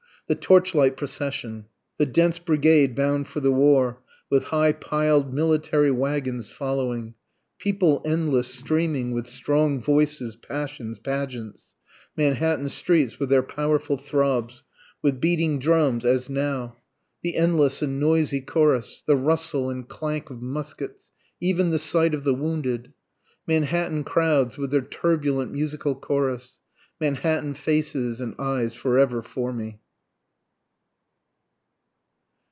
the torchlight procession! The dense brigade bound for the war, with high piled military wagons following; People, endless, streaming, with strong voices, passions, pageants, Manhattan streets with their powerful throbs, with beating drums as now, The endless and noisy chorus, the rustle and clank of muskets, (even the sight of the wounded,) Manhattan crowds, with their turbulent musical chorus! Manhattan faces and eyes forever for me.